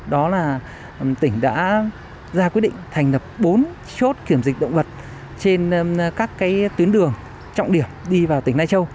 đó là tỉnh đã ra quyết định thành lập bốn chốt kiểm dịch động vật trên các tuyến đường trọng điểm đi vào tỉnh lai châu